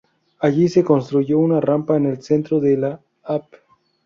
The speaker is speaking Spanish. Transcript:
Allí se construyó una rampa en el centro de la Av.